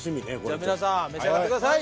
じゃあ皆さん召し上がってください。